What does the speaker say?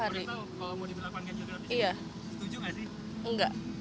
pemerintah kalau mau diberlakukan ganjil genap ini setuju nggak sih